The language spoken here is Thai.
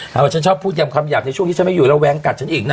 ถ้าว่าฉันชอบพูดอย่างคำใหญ่ในช่วงที่ฉันไม่อยู่แล้วแว้งกัดฉันอีกนะ